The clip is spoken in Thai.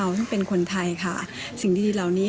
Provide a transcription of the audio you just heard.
ตามแนวทางศาสตร์พระราชาของในหลวงราชการที่๙